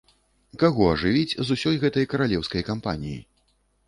Каго ажывіць з усёй гэтай каралеўскай кампаніі?